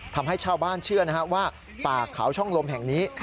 ทำให้ชาวบ้านเชื่อว่าป่าเขาช่องลมแห่งนี้